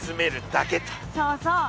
そうそう。